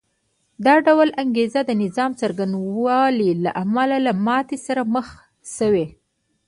دا ډول انګېزې د نظام څرنګوالي له امله له ماتې سره مخ شوې